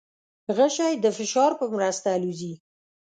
غشی د فشار په مرسته الوزي.